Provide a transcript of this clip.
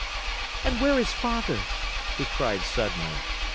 "And where is Father?" he cried suddenly.